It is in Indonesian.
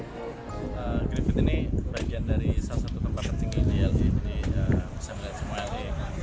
griffith ini bagian dari salah satu tempat penting di la jadi bisa melihat semua la